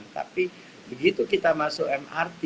tapi begitu kita masuk mrt